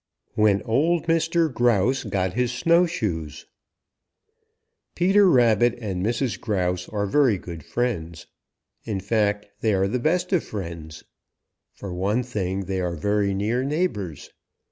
WHEN OLD MR. GROUSE GOT HIS SNOWSHOES |PETER RABBIT and Mrs. Grouse are very good friends. In fact they are the best of friends. For one thing they are very near neighbors.